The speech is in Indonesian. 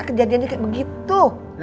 kejadiannya kayak begitu